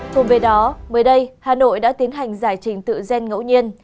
cùng với đó mới đây hà nội đã tiến hành giải trình tự gen ngẫu nhiên